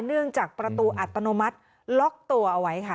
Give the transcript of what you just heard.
เนื่องจากประตูอัตโนมัติล็อกตัวเอาไว้ค่ะ